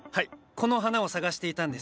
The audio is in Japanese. この花を探していたんです。